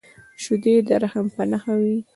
شیدې د رحم په نښه وي